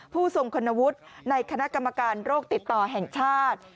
ผู้ทรงคุณวุฒิในคณะกรรมการโรคติดต่อแห่งชาติ